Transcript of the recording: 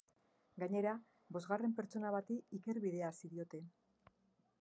Gainera, bosgarren pertsona bati ikerbidea hasi diote.